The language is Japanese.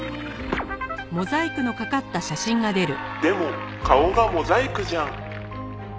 「でも顔がモザイクじゃん」